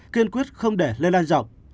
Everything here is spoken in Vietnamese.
kiên quyết không để lây lan rộng